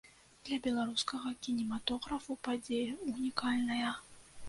Для беларускага кінематографу падзея ўнікальная.